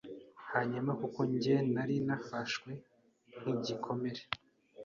Hanyuma kuko njye nari narafashwe nk’icyigomeke